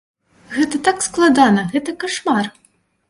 Гэта так складана, гэта кашмар!